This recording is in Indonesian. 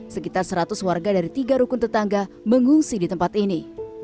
sekitar seratus warga dari tiga rukun tetangga mengungsi di tempat ini